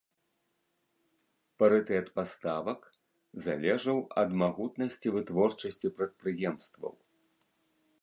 Парытэт паставак залежаў ад магутнасці вытворчасці прадпрыемстваў.